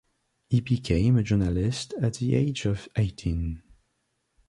He became a journalist at the age of eighteen.